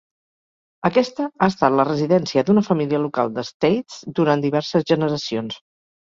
Aquesta ha estat la residència d'una família local de Staithes durant diverses generacions.